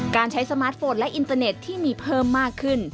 การใช้สมาร์ทโฟนและอินเตอร์เน็ตที่มีเพิ่มมากขึ้น